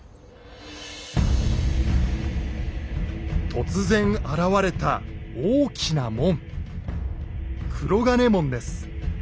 突然現れた大きな門。